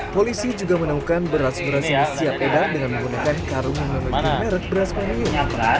polisi juga menemukan beras beras yang siap edar dengan menggunakan karung yang memiliki merek beras premium